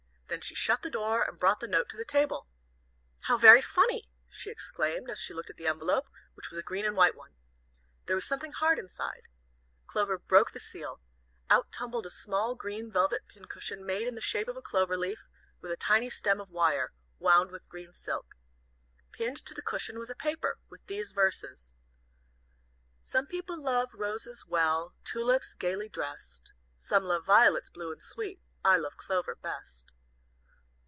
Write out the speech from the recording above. Then she shut the door, and brought the note to the table. "How very funny!" she exclaimed, as she looked at the envelope, which was a green and white one. There was something hard inside. Clover broke the seal. Out tumbled a small green velvet pincushion made in the shape of a clover leaf, with a tiny stem of wire wound with green silk. Pinned to the cushion was a paper, with these verses: "Some people love roses well, Tulips, gayly dressed, Some love violets blue and sweet, I love Clover best.